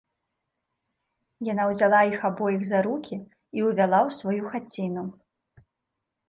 Яна ўзяла іх абоіх за рукі і ўвяла ў сваю хаціну